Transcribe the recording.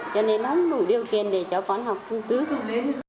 cho nên nó không đủ điều kiện để cho con học tư thục